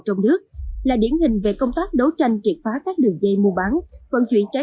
trong nước là điển hình về công tác đấu tranh triệt phá các đường dây mua bán vận chuyển trái